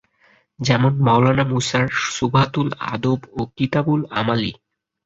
যেমন মওলানা মুসার সুব্হাতুল আদব ও কিতাবুল আমালীহ।